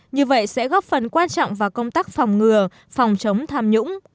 như vậy sẽ góp phần quan trọng vào công tác phòng ngừa phòng chống tham nhũng